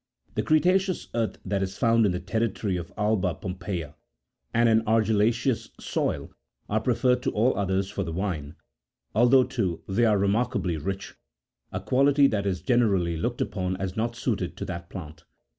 The cretaceous earth that is found in the territory of Alba Pompeia, and an argil laceous soil, are preferred to all others for the vine, although, too, they are remarkably rich, a quality that is generally looked upon as not suited to that plant.